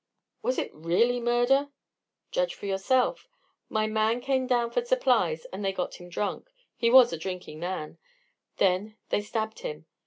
"Was it really murder?" "Judge for yourself. My man came down for supplies, and they got him drunk he was a drinking man then they stabbed him.